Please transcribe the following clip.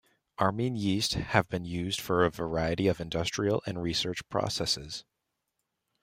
Arming yeast have been used for a variety of industrial and research processes.